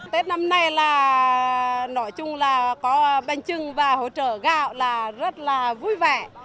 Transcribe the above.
tết năm nay là nói chung là có banh chưng và hỗ trợ gạo là rất là vui vẻ